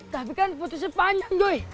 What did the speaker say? tapi kan putusnya panjang joy